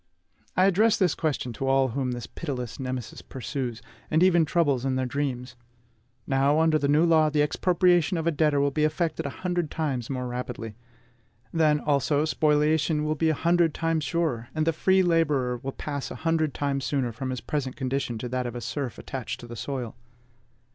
I address this question to all whom this pitiless Nemesis pursues, and even troubles in their dreams. Now, under the new law, the expropriation of a debtor will be effected a hundred times more rapidly; then, also, spoliation will be a hundred times surer, and the free laborer will pass a hundred times sooner from his present condition to that of a serf attached to the soil.